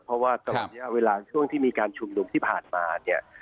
เพราะว่าตอนนี้เวลาช่วงที่มีการชุมนุมที่ผ่านมาเนี่ย